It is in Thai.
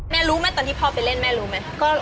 รู้ไหมตอนที่พ่อไปเล่นแม่รู้ไหม